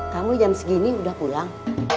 kamu jam segini udah pulang